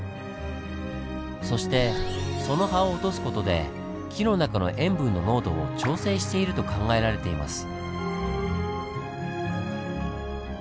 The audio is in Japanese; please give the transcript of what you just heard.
そしてその葉を落とす事で木の中の塩分の濃度を調整していると考えられています。